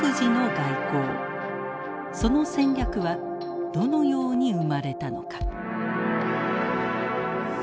その戦略はどのように生まれたのか。